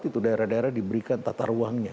itu daerah daerah diberikan tata ruangnya